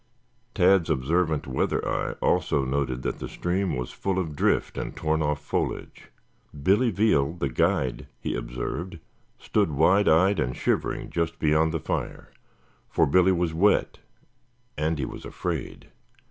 Tad's observant "weather eye" also noted that the stream was full of drift and torn off foliage. Billy Veal, the guide, he observed, stood wide eyed and shivering just beyond the fire, for Billy was wet, and he was afraid.